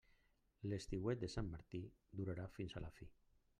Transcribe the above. L'estiuet de sant Martí durarà fins a la fi.